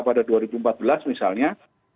pada dua ribu empat belas misalnya